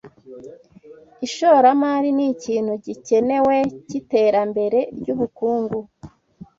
Ishoramari nikintu gikenewe cyiterambere ryubukungu